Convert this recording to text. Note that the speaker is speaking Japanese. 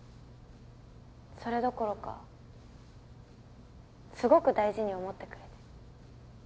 それどころかすごく大事に思ってくれてる。